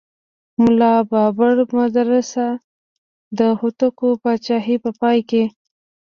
ملا بابړ مدرس د هوتکو پاچاهۍ په پای کې.